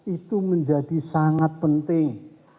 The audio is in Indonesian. itu menjadi sangat penting